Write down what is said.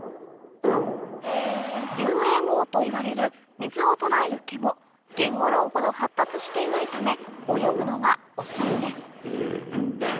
遊泳毛といわれる水を捉える毛もゲンゴロウほど発達していないため泳ぐのが遅いんです